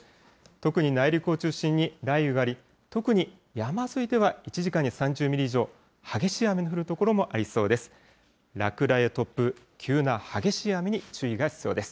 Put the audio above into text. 特に内陸を中心に雷雨があり、特に山沿いでは１時間に３０ミリ以上、激しい雨の降る所もありそうです。